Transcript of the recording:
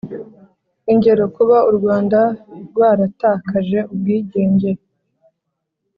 Ingero: kuba u Rwanda rwaratakaje ubwigenge,